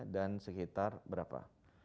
dan sekitar berapa